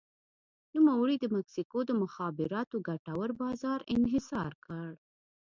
نوموړي د مکسیکو د مخابراتو ګټور بازار انحصار کړ.